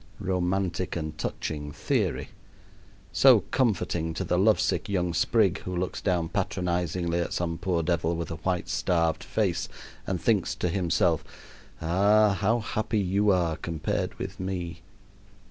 Romantic and touching theory! so comforting to the love sick young sprig who looks down patronizingly at some poor devil with a white starved face and thinks to himself, "Ah, how happy you are compared with me!"